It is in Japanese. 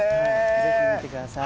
ぜひ見てください。